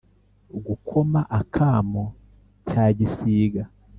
Gukoma akamo cya gisiga